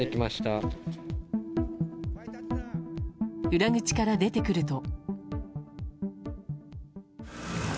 裏口から出てくると。